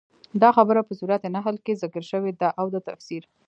دا خبره په سورت نحل کي ذکر شوي ده، او د تفسير